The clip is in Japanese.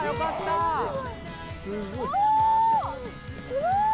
すごい！